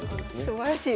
すばらしい。